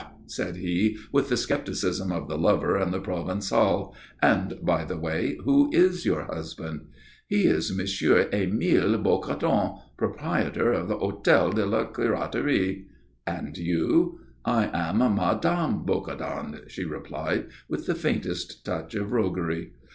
said he, with the scepticism of the lover and the Provençal. "And, by the way, who is your husband?" "He is M. Émile Bocardon, proprietor of the Hôtel de la Curatterie." "And you?" "I am Mme. Bocardon," she replied, with the faintest touch of roguery.